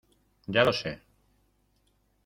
ya lo sé.